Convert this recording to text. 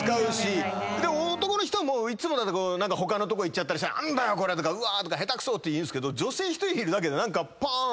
でも男の人は他のとこ行っちゃったりしたら何だよこれ！とか下手くそ！って言えるんですけど女性１人いるだけで何かポーン！